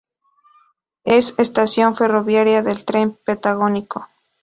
Es estación ferroviaria del Tren Patagónico.